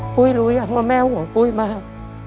ปุ้ยรู้ยังว่าแม่ห่วงปุ้ยมาก